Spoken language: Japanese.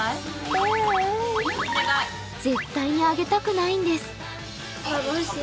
絶対にあげたくないんです。